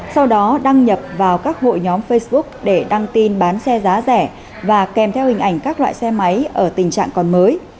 sau đó đăng nhập vào các hội nhóm facebook để đăng tin bán xe giá rẻ và kèm theo hình ảnh các loại xe máy ở tình trạng còn mới